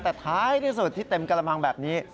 แต่ท้ายที่สุดที่เต็มกระมังแบบนี้